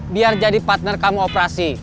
biar jadi partner kamu operasi